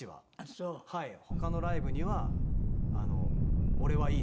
他のライブには「俺はいい」と。